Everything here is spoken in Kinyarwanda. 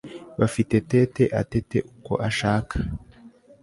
Bafite tete atete uko ashaka